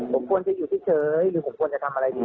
ผมควรจะอยู่เฉยหรือผมควรจะทำอะไรดี